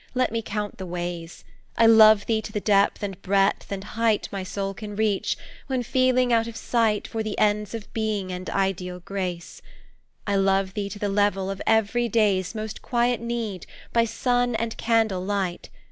Let me count the ways, I love thee to the depth and breadth and height My soul can reach, when feeling out of sight For the ends of being and ideal Grace. I love thee to the level of every day's Most quiet need, by sun and candle light.